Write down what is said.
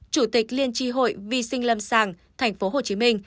chủ tịch liên tri hội vi sinh lâm sàng tp hcm